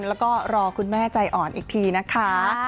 แล้วก็รอคุณแม่ใจอ่อนอีกทีนะคะ